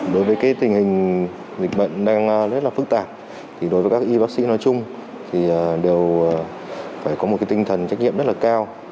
đối với tình hình dịch bệnh đang rất là phức tạp thì đối với các y bác sĩ nói chung thì đều phải có một tinh thần trách nhiệm rất là cao